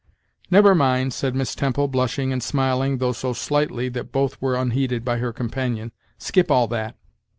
"Never mind," said Miss Temple, blushing and smiling, though so slightly that both were unheeded by her companion; "skip all that."